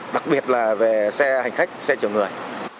đặc biệt là về xe hành khách xe chở người